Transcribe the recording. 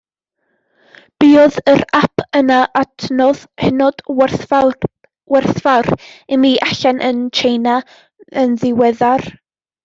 Buodd yr ap yn adnodd hynod werthfawr i mi allan yn Tsieina yn ddiweddar.